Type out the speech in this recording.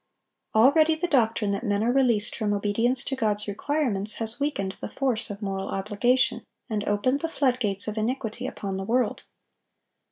Already the doctrine that men are released from obedience to God's requirements has weakened the force of moral obligation, and opened the flood gates of iniquity upon the world.